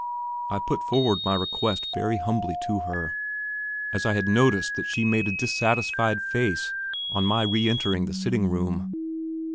I put forward my request very humbly to her, as I had noticed that she made a dissatisfied face on my re entering the sitting room.